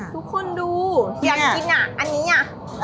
ทุกคนดูอยากกินอ่ะอันนี้อ่ะ